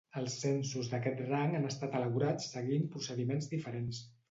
Els censos d'aquest rang han estat elaborats seguint procediments diferents.